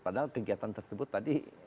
padahal kegiatan tersebut tadi